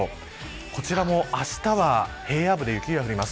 こちらも、あしたは平野部で雪が降ります。